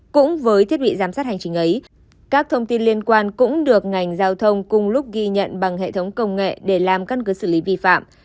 cũng với thiết bị giám sát hành trình ấy các thông tin liên quan cũng được ngành giao thông cùng lúc ghi nhận bằng hệ thống công nghệ để làm căn cứ xử lý vi phạm